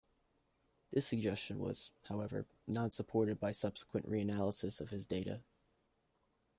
This suggestion was, however, not supported by a subsequent reanalysis of his data.